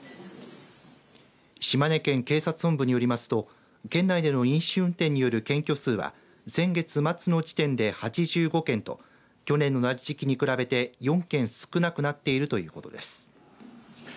島根県警察本部によりますと県内での飲酒運転による検挙数は先月末の時点で８５件と去年の同じ時期に比べて４件少なくなっているということです。